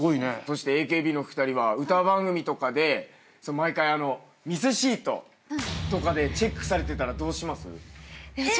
そしてＡＫＢの２人は歌番組とかで毎回あのミスシートとかでチェックされてたらどうします？えっ！？